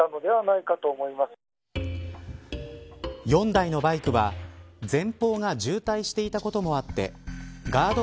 ４台のバイクは前方が渋滞していたこともあってガード